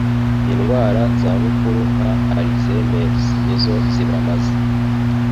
indwara zabukuru nka Alzheimer's nizo zibamaze.